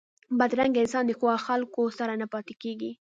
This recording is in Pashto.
بدرنګه انسان د ښو خلکو سره نه پاتېږي